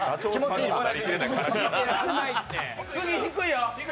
次、低いよ。